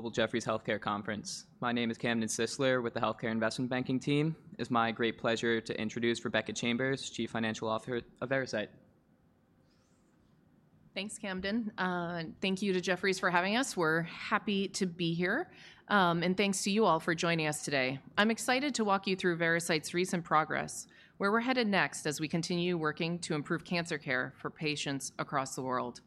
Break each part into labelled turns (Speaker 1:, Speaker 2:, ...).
Speaker 1: Global Jefferies Healthcare Conference. My name is Camden Sisler with the Healthcare Investment Banking Team. It's my great pleasure to introduce Rebecca Chambers, Chief Financial Officer of Veracyte.
Speaker 2: Thanks, Camden. Thank you to Jefferies for having us. We're happy to be here, and thanks to you all for joining us today. I'm excited to walk you through Veracyte's recent progress, where we're headed next as we continue working to improve cancer care for patients across the world.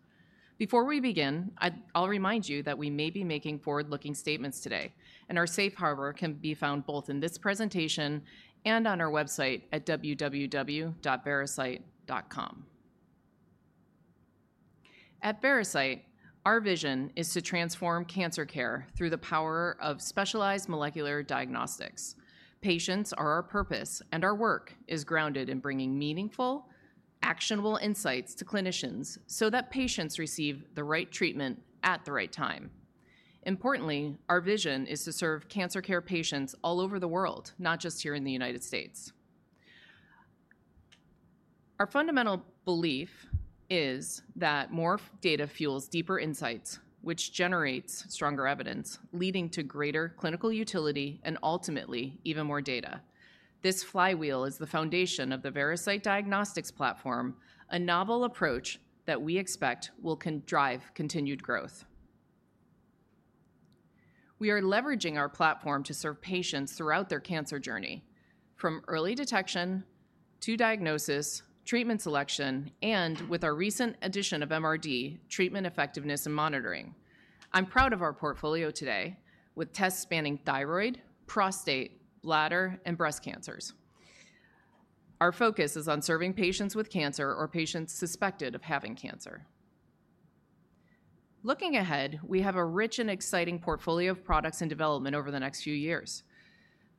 Speaker 2: Before we begin, I'll remind you that we may be making forward-looking statements today, and our safe harbor can be found both in this presentation and on our website at www.veracyte.com. At Veracyte, our vision is to transform cancer care through the power of specialized molecular diagnostics. Patients are our purpose, and our work is grounded in bringing meaningful, actionable insights to clinicians so that patients receive the right treatment at the right time. Importantly, our vision is to serve cancer care patients all over the world, not just here in the United States. Our fundamental belief is that more data fuels deeper insights, which generates stronger evidence, leading to greater clinical utility and ultimately even more data. This flywheel is the foundation of the Veracyte Diagnostics Platform, a novel approach that we expect will drive continued growth. We are leveraging our platform to serve patients throughout their cancer journey, from early detection to diagnosis, treatment selection, and with our recent addition of MRD, treatment effectiveness and monitoring. I'm proud of our portfolio today, with tests spanning thyroid, prostate, bladder, and breast cancers. Our focus is on serving patients with cancer or patients suspected of having cancer. Looking ahead, we have a rich and exciting portfolio of products in development over the next few years,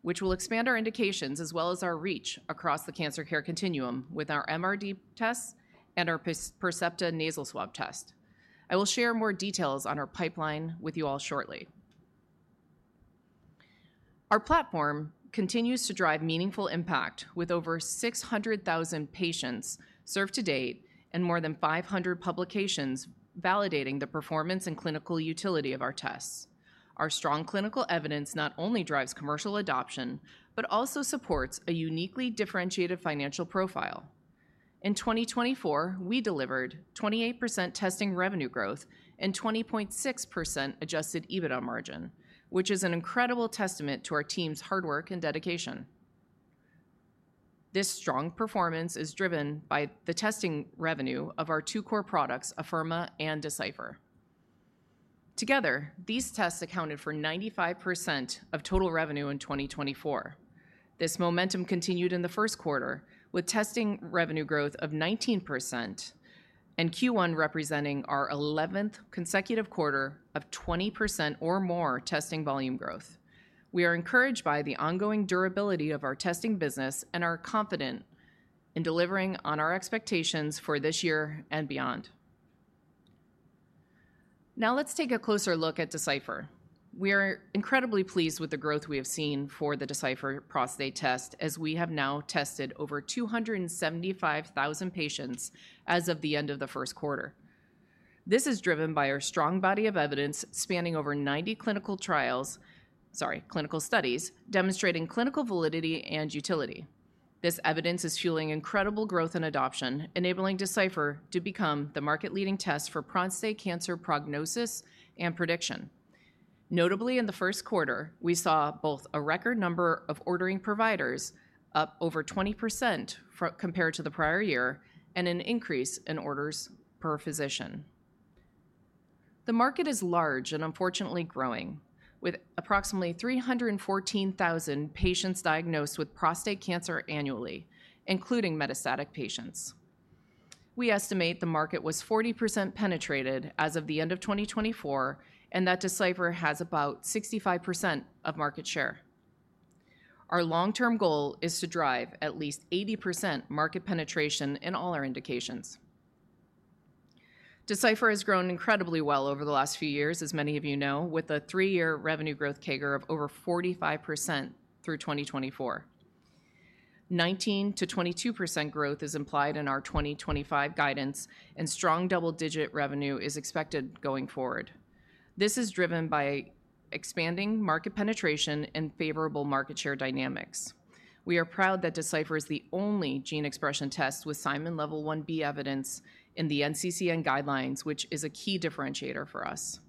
Speaker 2: which will expand our indications as well as our reach across the cancer care continuum with our MRD tests and our Percepta nasal swab test. I will share more details on our pipeline with you all shortly. Our platform continues to drive meaningful impact with over 600,000 patients served to date and more than 500 publications validating the performance and clinical utility of our tests. Our strong clinical evidence not only drives commercial adoption, but also supports a uniquely differentiated financial profile. In 2024, we delivered 28% testing revenue growth and 20.6% adjusted EBITDA margin, which is an incredible testament to our team's hard work and dedication. This strong performance is driven by the testing revenue of our two core products, Afirma and Decipher. Together, these tests accounted for 95% of total revenue in 2024. This momentum continued in the first quarter, with testing revenue growth of 19% and Q1 representing our 11th consecutive quarter of 20% or more testing volume growth. We are encouraged by the ongoing durability of our testing business and are confident in delivering on our expectations for this year and beyond. Now let's take a closer look at Decipher. We are incredibly pleased with the growth we have seen for the Decipher prostate test, as we have now tested over 275,000 patients as of the end of the first quarter. This is driven by our strong body of evidence spanning over 90 clinical studies demonstrating clinical validity and utility. This evidence is fueling incredible growth and adoption, enabling Decipher to become the market-leading test for prostate cancer prognosis and prediction. Notably, in the first quarter, we saw both a record number of ordering providers, up over 20% compared to the prior year, and an increase in orders per physician. The market is large and unfortunately growing, with approximately 314,000 patients diagnosed with prostate cancer annually, including metastatic patients. We estimate the market was 40% penetrated as of the end of 2024, and that Decipher has about 65% of market share. Our long-term goal is to drive at least 80% market penetration in all our indications. Decipher has grown incredibly well over the last few years, as many of you know, with a three-year revenue growth CAGR of over 45% through 2024. 19%-22% growth is implied in our 2025 guidance, and strong double-digit revenue is expected going forward. This is driven by expanding market penetration and favorable market share dynamics. We are proud that Decipher is the only gene expression test with Simon Level 1B evidence in the NCCN guidelines, which is a key differentiator for us.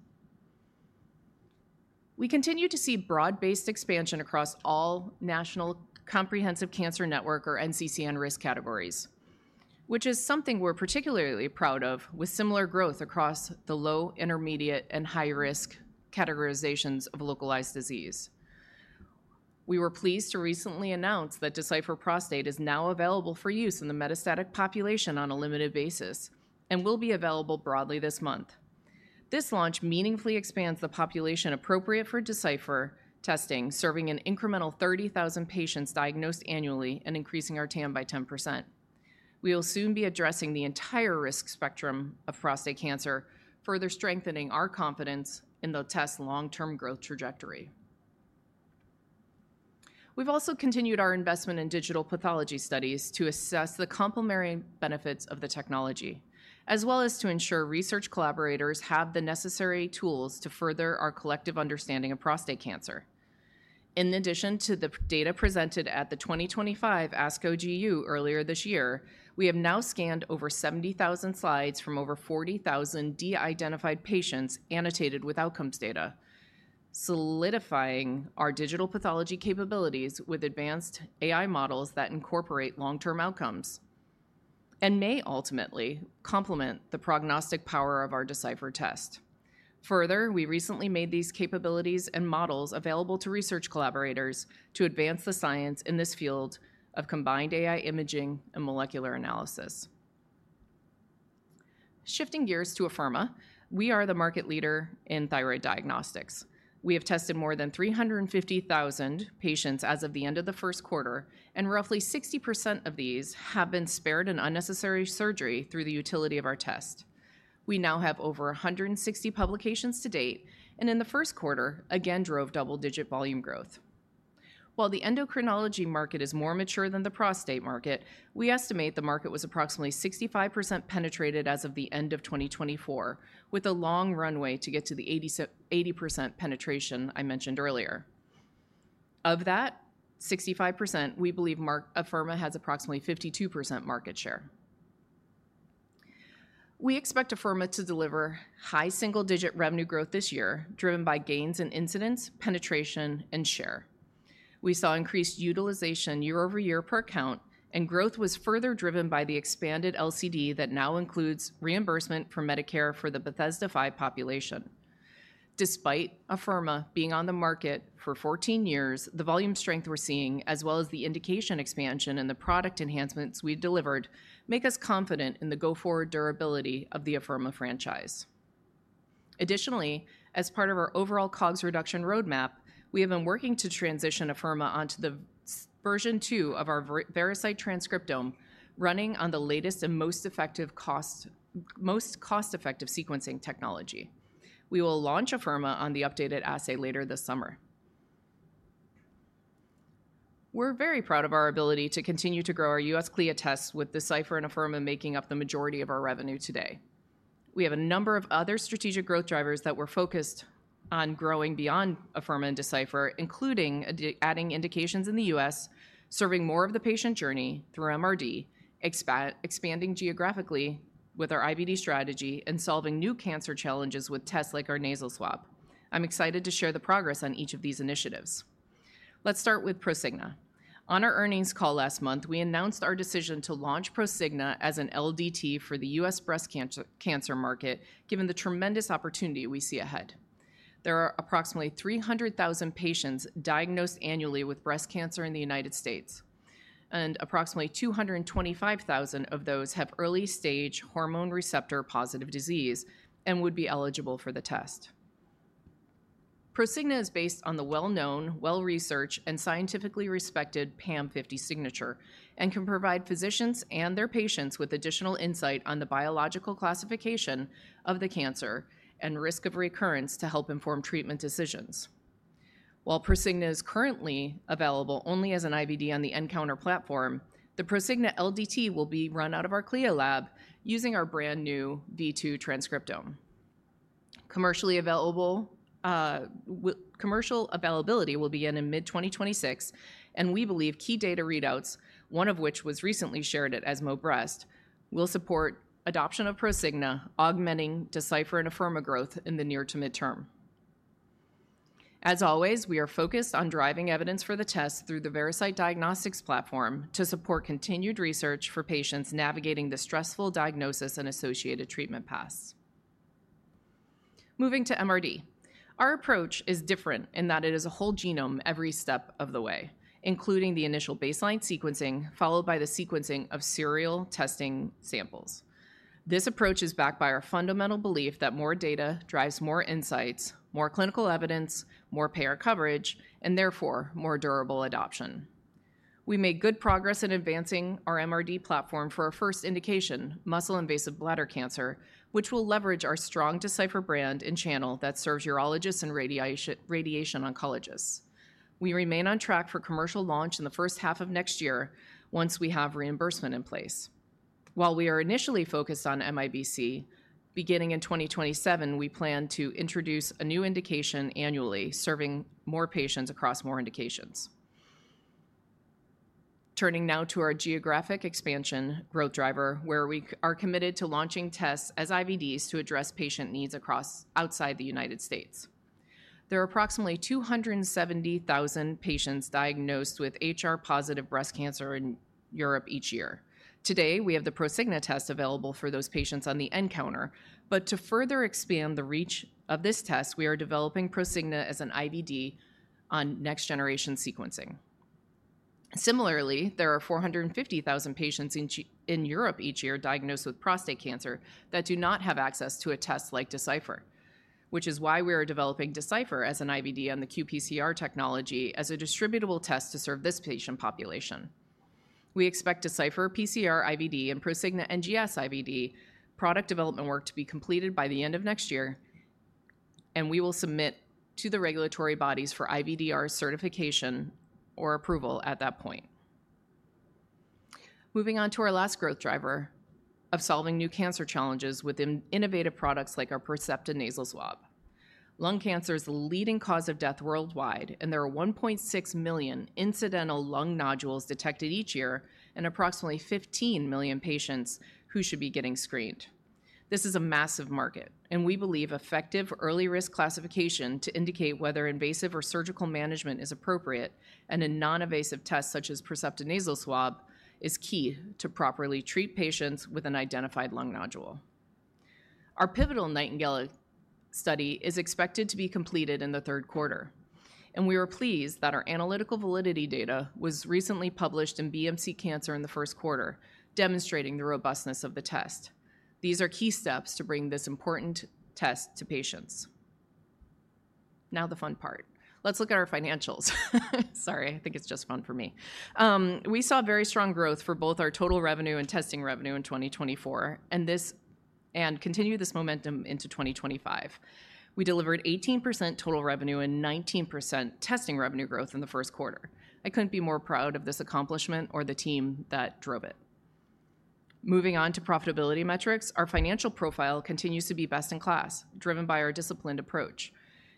Speaker 2: We continue to see broad-based expansion across all National Comprehensive Cancer Network, or NCCN, risk categories, which is something we're particularly proud of, with similar growth across the low, intermediate, and high-risk categorizations of localized disease. We were pleased to recently announce that Decipher prostate is now available for use in the metastatic population on a limited basis and will be available broadly this month. This launch meaningfully expands the population appropriate for Decipher testing, serving an incremental 30,000 patients diagnosed annually and increasing our TAM by 10%. We will soon be addressing the entire risk spectrum of prostate cancer, further strengthening our confidence in the test's long-term growth trajectory. We've also continued our investment in digital pathology studies to assess the complementary benefits of the technology, as well as to ensure research collaborators have the necessary tools to further our collective understanding of prostate cancer. In addition to the data presented at the 2025 ASCO GU earlier this year, we have now scanned over 70,000 slides from over 40,000 de-identified patients annotated with outcomes data, solidifying our digital pathology capabilities with advanced AI models that incorporate long-term outcomes and may ultimately complement the prognostic power of our Decipher test. Further, we recently made these capabilities and models available to research collaborators to advance the science in this field of combined AI imaging and molecular analysis. Shifting gears to Afirma, we are the market leader in thyroid diagnostics. We have tested more than 350,000 patients as of the end of the first quarter, and roughly 60% of these have been spared an unnecessary surgery through the utility of our test. We now have over 160 publications to date, and in the first quarter, again drove double-digit volume growth. While the endocrinology market is more mature than the prostate market, we estimate the market was approximately 65% penetrated as of the end of 2024, with a long runway to get to the 80% penetration I mentioned earlier. Of that 65%, we believe Afirma has approximately 52% market share. We expect Afirma to deliver high single-digit revenue growth this year, driven by gains in incidence, penetration, and share. We saw increased utilization year over year per account, and growth was further driven by the expanded LCD that now includes reimbursement for Medicare for the Bethesda 5 population. Despite Afirma being on the market for 14 years, the volume strength we're seeing, as well as the indication expansion and the product enhancements we've delivered, make us confident in the go-forward durability of the Afirma franchise. Additionally, as part of our overall COGS reduction roadmap, we have been working to transition Afirma onto the version two of our Veracyte Transcriptome, running on the latest and most cost-effective sequencing technology. We will launch Afirma on the updated assay later this summer. We're very proud of our ability to continue to grow our U.S. CLIA tests, with Decipher and Afirma making up the majority of our revenue today. We have a number of other strategic growth drivers that we're focused on growing beyond Afirma and Decipher, including adding indications in the U.S., serving more of the patient journey through MRD, expanding geographically with our IBD strategy, and solving new cancer challenges with tests like our nasal swab. I'm excited to share the progress on each of these initiatives. Let's start with Prosigna. On our earnings call last month, we announced our decision to launch Prosigna as an LDT for the U.S. breast cancer market, given the tremendous opportunity we see ahead. There are approximately 300,000 patients diagnosed annually with breast cancer in the United States, and approximately 225,000 of those have early-stage hormone receptor-positive disease and would be eligible for the test. Prosigna is based on the well-known, well-researched, and scientifically respected PAM50 signature and can provide physicians and their patients with additional insight on the biological classification of the cancer and risk of recurrence to help inform treatment decisions. While Prosigna is currently available only as an IBD on the Encounter platform, the Prosigna LDT will be run out of our CLIA lab using our brand new V2 transcriptome. Commercial availability will begin in mid-2026, and we believe key data readouts, one of which was recently shared at ESMO Breast, will support adoption of Prosigna, augmenting Decipher and Afirma growth in the near to midterm. As always, we are focused on driving evidence for the test through the Veracyte Diagnostics Platform to support continued research for patients navigating the stressful diagnosis and associated treatment paths. Moving to MRD, our approach is different in that it is a whole genome every step of the way, including the initial baseline sequencing, followed by the sequencing of serial testing samples. This approach is backed by our fundamental belief that more data drives more insights, more clinical evidence, more payer coverage, and therefore more durable adoption. We made good progress in advancing our MRD platform for our first indication, muscle-invasive bladder cancer, which will leverage our strong Decipher brand and channel that serves urologists and radiation oncologists. We remain on track for commercial launch in the first half of next year once we have reimbursement in place. While we are initially focused on MIBC, beginning in 2027, we plan to introduce a new indication annually, serving more patients across more indications. Turning now to our geographic expansion growth driver, where we are committed to launching tests as IBDs to address patient needs outside the United States. There are approximately 270,000 patients diagnosed with HR-positive breast cancer in Europe each year. Today, we have the Prosigna test available for those patients on the Encounter, but to further expand the reach of this test, we are developing Prosigna as an IBD on next-generation sequencing. Similarly, there are 450,000 patients in Europe each year diagnosed with prostate cancer that do not have access to a test like Decipher, which is why we are developing Decipher as an IBD on the qPCR technology as a distributable test to serve this patient population. We expect Decipher, PCR IBD, and Prosigna NGS IBD product development work to be completed by the end of next year, and we will submit to the regulatory bodies for IBDR certification or approval at that point. Moving on to our last growth driver of solving new cancer challenges with innovative products like our Percepta nasal swab. Lung cancer is the leading cause of death worldwide, and there are 1.6 million incidental lung nodules detected each year and approximately 15 million patients who should be getting screened. This is a massive market, and we believe effective early-risk classification to indicate whether invasive or surgical management is appropriate and a non-invasive test such as Percepta nasal swab is key to properly treat patients with an identified lung nodule. Our pivotal Nightingale study is expected to be completed in the third quarter, and we are pleased that our analytical validity data was recently published in BMC Cancer in the first quarter, demonstrating the robustness of the test. These are key steps to bring this important test to patients. Now the fun part. Let's look at our financials. Sorry, I think it's just fun for me. We saw very strong growth for both our total revenue and testing revenue in 2024, and continue this momentum into 2025. We delivered 18% total revenue and 19% testing revenue growth in the first quarter. I couldn't be more proud of this accomplishment or the team that drove it. Moving on to profitability metrics, our financial profile continues to be best in class, driven by our disciplined approach.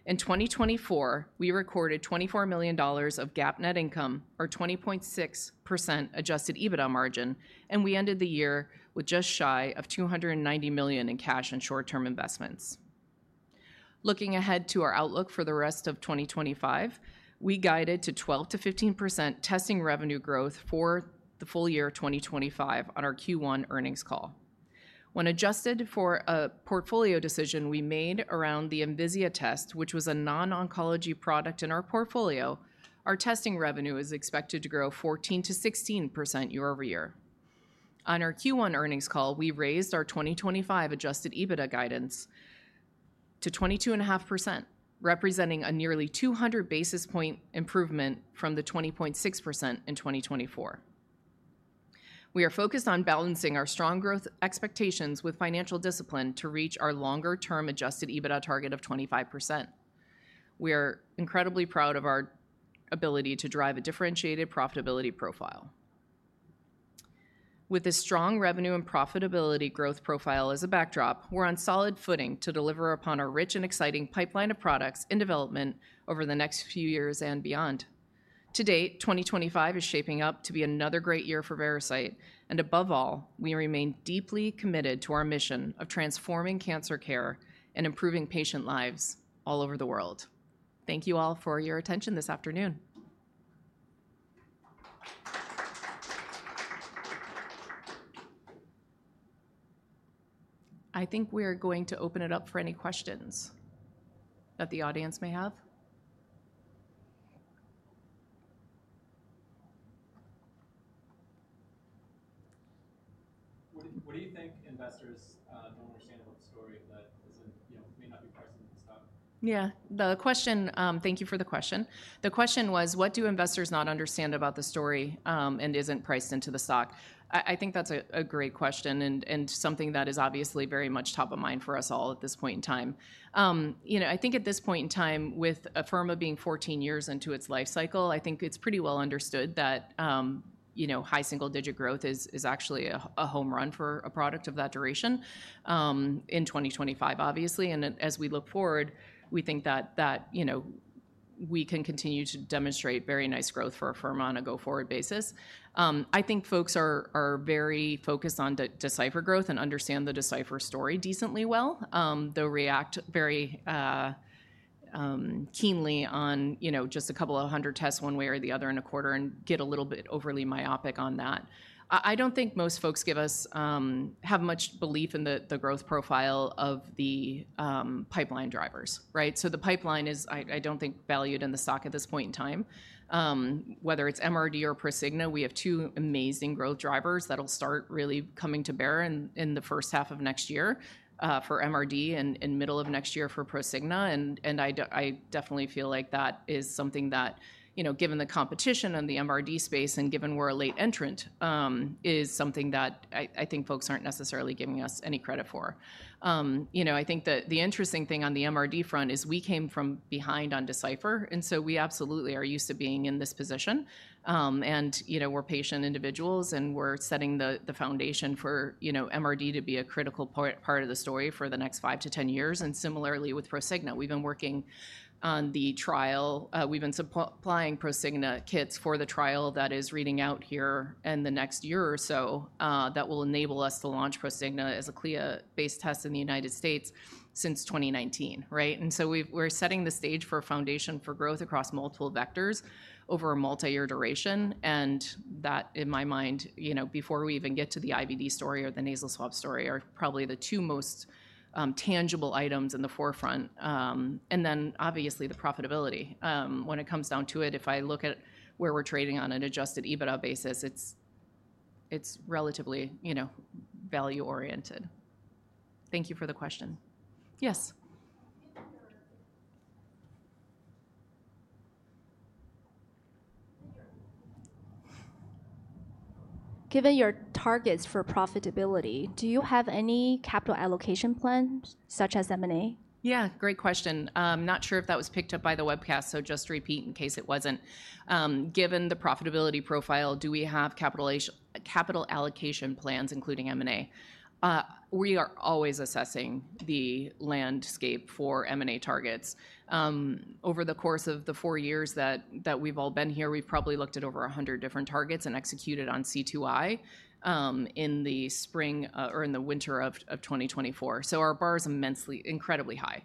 Speaker 2: In 2024, we recorded $24 million of GAAP net income, or 20.6% adjusted EBITDA margin, and we ended the year with just shy of $290 million in cash and short-term investments. Looking ahead to our outlook for the rest of 2025, we guided to 12%-15% testing revenue growth for the full year of 2025 on our Q1 earnings call. When adjusted for a portfolio decision we made around the Invisia test, which was a non-oncology product in our portfolio, our testing revenue is expected to grow 14%-16% year over year. On our Q1 earnings call, we raised our 2025 adjusted EBITDA guidance to 22.5%, representing a nearly 200 basis point improvement from the 20.6% in 2024. We are focused on balancing our strong growth expectations with financial discipline to reach our longer-term adjusted EBITDA target of 25%. We are incredibly proud of our ability to drive a differentiated profitability profile. With a strong revenue and profitability growth profile as a backdrop, we're on solid footing to deliver upon a rich and exciting pipeline of products in development over the next few years and beyond. To date, 2025 is shaping up to be another great year for Veracyte, and above all, we remain deeply committed to our mission of transforming cancer care and improving patient lives all over the world. Thank you all for your attention this afternoon. I think we are going to open it up for any questions that the audience may have.
Speaker 1: What do you think investors don't understand about the story that isn't, you know, may not be priced into the stock?
Speaker 2: Yeah, the question, thank you for the question. The question was, what do investors not understand about the story and isn't priced into the stock? I think that's a great question and something that is obviously very much top of mind for us all at this point in time. You know, I think at this point in time, with Afirma being 14 years into its life cycle, I think it's pretty well understood that, you know, high single-digit growth is actually a home run for a product of that duration in 2025, obviously. As we look forward, we think that, you know, we can continue to demonstrate very nice growth for Afirma on a go-forward basis. I think folks are very focused on Decipher growth and understand the Decipher story decently well, though react very keenly on, you know, just a couple of hundred tests one way or the other in a quarter and get a little bit overly myopic on that. I do not think most folks have much belief in the growth profile of the pipeline drivers, right? The pipeline is, I do not think, valued in the stock at this point in time. Whether it is MRD or Prosigna, we have two amazing growth drivers that will start really coming to bear in the first half of next year for MRD and middle of next year for Prosigna. I definitely feel like that is something that, you know, given the competition in the MRD space and given we're a late entrant, is something that I think folks aren't necessarily giving us any credit for. You know, I think that the interesting thing on the MRD front is we came from behind on Decipher, and so we absolutely are used to being in this position. You know, we're patient individuals and we're setting the foundation for, you know, MRD to be a critical part of the story for the next five to ten years. Similarly with Prosigna, we've been working on the trial. We've been supplying Prosigna kits for the trial that is reading out here in the next year or so that will enable us to launch Prosigna as a CLIA-based test in the United States since 2019, right? We are setting the stage for a foundation for growth across multiple vectors over a multi-year duration. That, in my mind, you know, before we even get to the IBD story or the nasal swab story, are probably the two most tangible items in the forefront. Obviously, the profitability. When it comes down to it, if I look at where we are trading on an adjusted EBITDA basis, it is relatively, you know, value-oriented. Thank you for the question. Yes.Given your targets for profitability, do you have any capital allocation plans, such as M&A? Yeah, great question. Not sure if that was picked up by the webcast, so just repeat in case it was not. Given the profitability profile, do we have capital allocation plans, including M&A? We are always assessing the landscape for M&A targets. Over the course of the four years that we've all been here, we've probably looked at over 100 different targets and executed on C2i in the spring or in the winter of 2024. Our bar is immensely, incredibly high.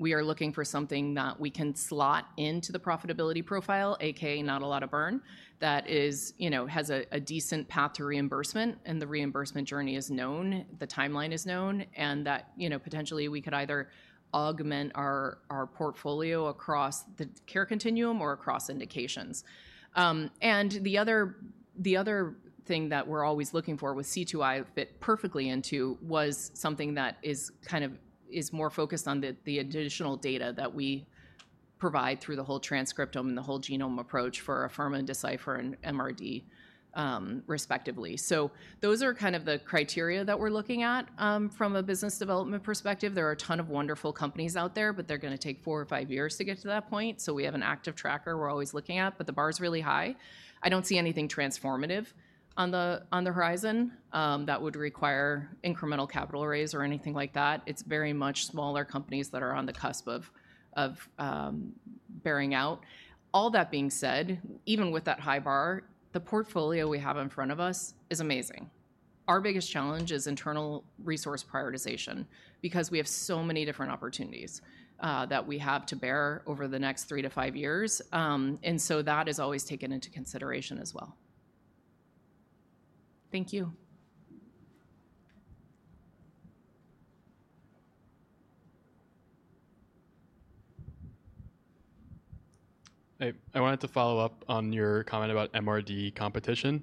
Speaker 2: We are looking for something that we can slot into the profitability profile, a.k.a. not a lot of burn, that is, you know, has a decent path to reimbursement, and the reimbursement journey is known, the timeline is known, and that, you know, potentially we could either augment our portfolio across the care continuum or across indications. The other thing that we're always looking for, which C2i fit perfectly into, was something that is kind of more focused on the additional data that we provide through the whole transcriptome and the whole genome approach for Afirma, Decipher, and MRD, respectively. Those are kind of the criteria that we're looking at from a business development perspective. There are a ton of wonderful companies out there, but they're going to take four or five years to get to that point. We have an active tracker we're always looking at, but the bar is really high. I don't see anything transformative on the horizon that would require incremental capital raise or anything like that. It's very much smaller companies that are on the cusp of bearing out. All that being said, even with that high bar, the portfolio we have in front of us is amazing. Our biggest challenge is internal resource prioritization because we have so many different opportunities that we have to bear over the next three to five years. That is always taken into consideration as well. Thank you. I wanted to follow up on your comment about MRD competition.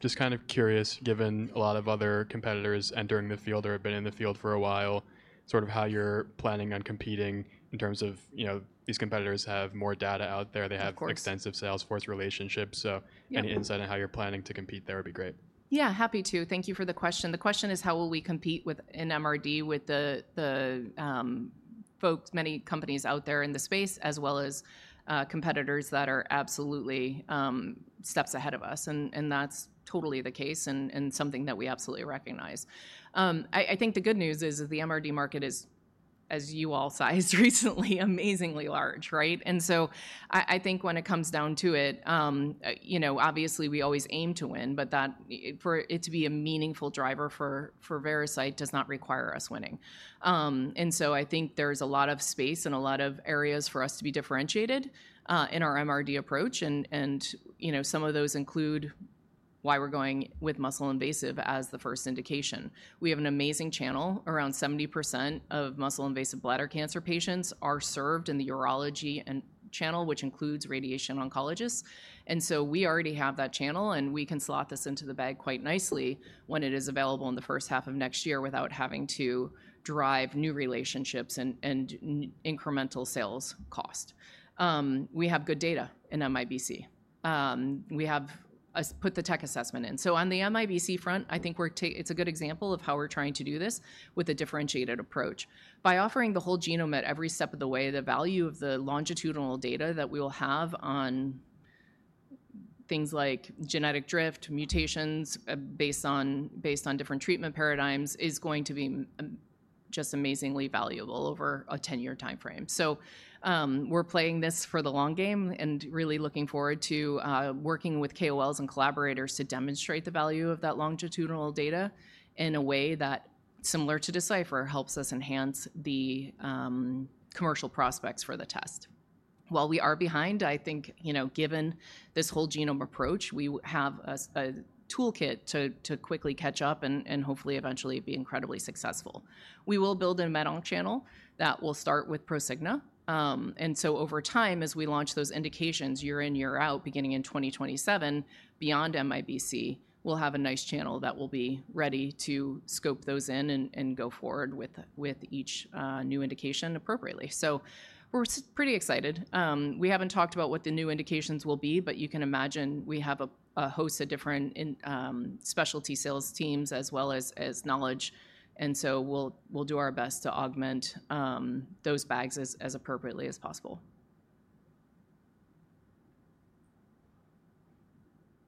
Speaker 2: Just kind of curious, given a lot of other competitors entering the field or have been in the field for a while, sort of how you're planning on competing in terms of, you know, these competitors have more data out there. They have extensive Salesforce relationships. Any insight on how you're planning to compete there would be great. Yeah, happy to. Thank you for the question. The question is, how will we compete in MRD with the folks, many companies out there in the space, as well as competitors that are absolutely steps ahead of us? That's totally the case and something that we absolutely recognize. I think the good news is that the MRD market is, as you all sized recently, amazingly large, right? I think when it comes down to it, you know, obviously we always aim to win, but for it to be a meaningful driver for Veracyte does not require us winning. I think there is a lot of space and a lot of areas for us to be differentiated in our MRD approach. You know, some of those include why we are going with muscle invasive as the first indication. We have an amazing channel. Around 70% of muscle invasive bladder cancer patients are served in the urology channel, which includes radiation oncologists. We already have that channel, and we can slot this into the bag quite nicely when it is available in the first half of next year without having to drive new relationships and incremental sales cost. We have good data in MIBC. We have put the tech assessment in. On the MIBC front, I think it's a good example of how we're trying to do this with a differentiated approach. By offering the whole genome at every step of the way, the value of the longitudinal data that we will have on things like genetic drift, mutations based on different treatment paradigms is going to be just amazingly valuable over a 10-year timeframe. We're playing this for the long game and really looking forward to working with KOLs and collaborators to demonstrate the value of that longitudinal data in a way that, similar to Decipher, helps us enhance the commercial prospects for the test. While we are behind, I think, you know, given this whole genome approach, we have a toolkit to quickly catch up and hopefully eventually be incredibly successful. We will build a med-onc channel that will start with Prosigna. Over time, as we launch those indications year in, year out, beginning in 2027, beyond MIBC, we'll have a nice channel that will be ready to scope those in and go forward with each new indication appropriately. We are pretty excited. We haven't talked about what the new indications will be, but you can imagine we have a host of different specialty sales teams as well as knowledge. We will do our best to augment those bags as appropriately as possible.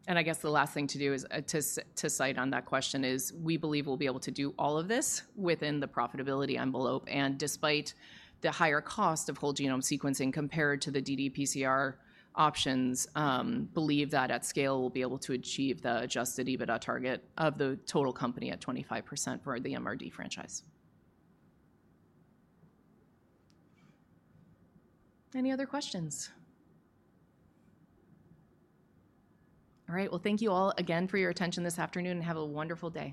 Speaker 2: I guess the last thing to do is to cite on that question is we believe we'll be able to do all of this within the profitability envelope. Despite the higher cost of whole genome sequencing compared to the ddPCR options, I believe that at scale we'll be able to achieve the adjusted EBITDA target of the total company at 25% for the MRD franchise. Any other questions? All right, thank you all again for your attention this afternoon and have a wonderful day.